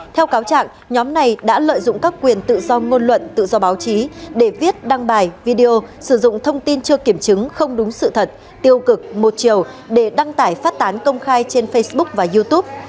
theo cáo trạng nhóm này đã lợi dụng các quyền tự do ngôn luận tự do báo chí để viết đăng bài video sử dụng thông tin chưa kiểm chứng không đúng sự thật tiêu cực một chiều để đăng tải phát tán công khai trên facebook và youtube